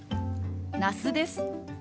那須です。